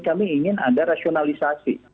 kami ingin ada rasionalisasi